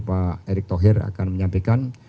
pak erick thohir akan menyampaikan